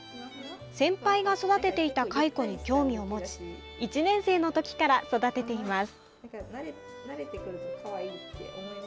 先輩が育てていた蚕に興味を持ち１年生のときから育てています。